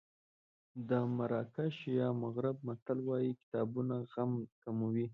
د مراکش یا مغرب متل وایي کتابونه غم کموي.